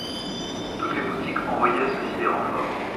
Toutes les boutiques envoyaient à ceux-ci des renforts.